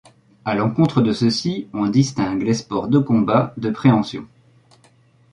À l'encontre de ceux-ci, on distingue les sports de combat de préhension.